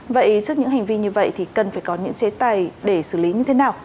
vậy trước những hành vi như vậy thì cần phải có những chế tài để xử lý như thế nào